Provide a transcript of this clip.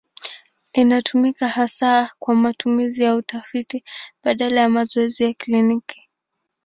Inatumika hasa kwa matumizi ya utafiti badala ya mazoezi ya kliniki.